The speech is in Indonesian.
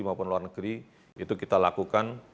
maupun luar negeri itu kita lakukan